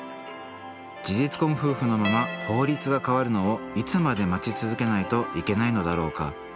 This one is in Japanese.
事実婚夫婦のまま法律が変わるのをいつまで待ち続けないといけないのだろうか。